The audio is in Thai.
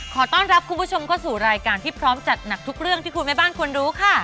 ขอต้อนรับคุณผู้ชมเข้าสู่รายการที่พร้อมจัดหนักทุกเรื่องที่คุณแม่บ้านควรรู้ค่ะ